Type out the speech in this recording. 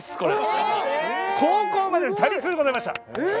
高校までチャリ通でございました。